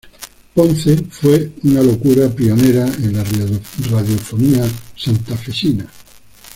Ponce fue una locutora pionera de la radiofonía santafesina.